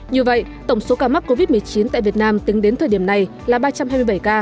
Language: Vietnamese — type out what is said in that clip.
như vậy tổng số ca mắc covid một mươi chín tại việt nam tính đến thời điểm này là ba trăm hai mươi bảy ca